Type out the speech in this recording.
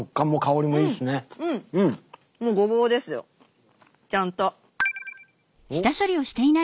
うんもうごぼうですよちゃんと。